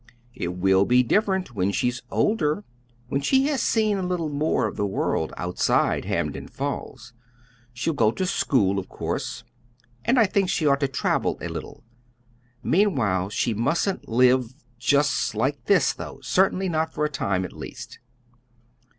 "It will be different when she is older when she has seen a little more of the world outside Hampden Falls. She'll go to school, of course, and I think she ought to travel a little. Meanwhile, she mustn't live just like this, though; certainly not for a time, at least."